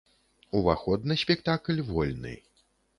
Уваход на спектакль вольны.